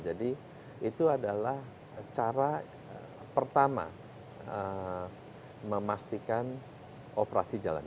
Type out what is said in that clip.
jadi itu adalah cara pertama memastikan operasi jalan